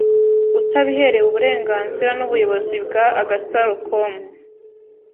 utabiherewe uburenganzira n’ubuyobozi bwa Agasarocom